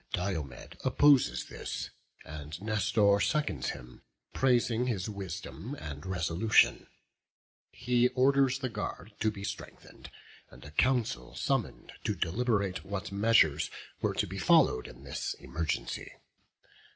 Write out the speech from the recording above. Diomed opposes this, and Nestor seconds him, praising his wisdom and resolution. He orders the guard to be strengthened, and a council summoned to deliberate what measures were to be followed in this emergency.